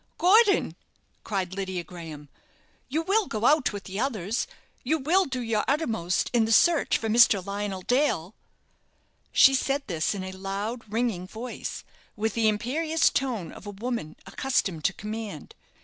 "Gordon!" cried Lydia Graham, "you will go out with the others. You will do your uttermost in the search for Mr. Lionel Dale!" She said this in a loud, ringing voice, with the imperious tone of a woman accustomed to command.